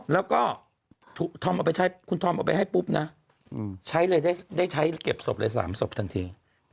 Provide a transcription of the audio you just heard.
แล้วก็คุณธอมเอาไปให้ปุ๊บนะได้ใช้เก็บศพเลย๓ศพทันที